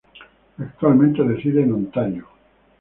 Actualmente reside en Ontario.